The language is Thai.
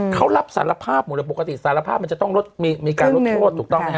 เขารับสารภาพหมดเลยปกติสารภาพมันจะต้องลดมีการลดโทษถูกต้องไหมฮ